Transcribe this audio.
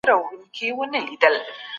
که لمر راوخېژي، نو موږ به سیل ته ولاړ سو.